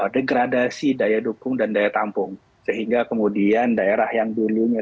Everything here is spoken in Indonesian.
degradasi daya dukung dan daya tampung sehingga kemudian daerah yang dulunya